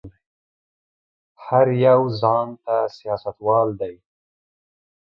هر يو ځان ته سياستوال دی.